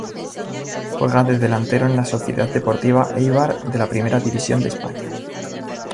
Juega de delantero en la Sociedad Deportiva Eibar, de la Primera División de España.